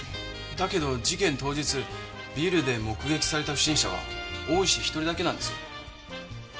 だけど事件当日ビルで目撃された不審者は大石一人だけなんですよ。